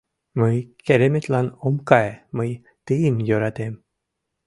Мый кереметлан ом кае, мый тыйым йӧратем.